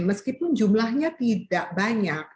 meskipun jumlahnya tidak banyak